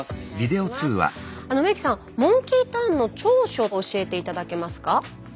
植木さんモンキーターンの長所教えて頂けますか？